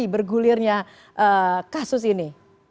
bergulirnya kasus ini